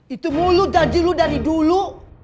itu mulut janji lu dari dulu